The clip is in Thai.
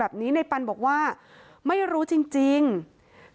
เพื่อนในหัดใหญ่ที่คบกันมาเนี่ยยันว่าผมจะไปเรียกชาย๑๔คนได้ยังไง